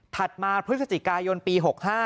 มาพฤศจิกายนปี๖๕